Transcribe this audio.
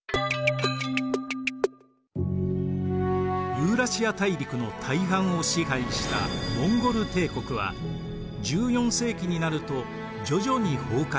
ユーラシア大陸の大半を支配したモンゴル帝国は１４世紀になると徐々に崩壊していきます。